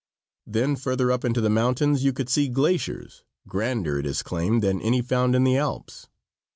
Then further up into the mountains you could see glaciers, grander, it is claimed, than any found in the Alps.